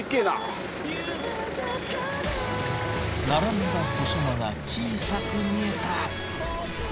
並んだ細間が小さく見えた。